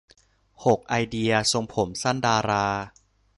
หก ไอเดีย ทรงผมสั้นดารา